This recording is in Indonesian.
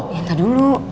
ya entah dulu